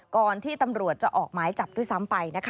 ก่อนที่ตำรวจจะออกหมายจับด้วยซ้ำไปนะคะ